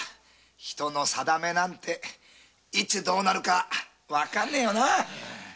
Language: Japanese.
人の運命なんていつどうなるかわからねぇよなぁ。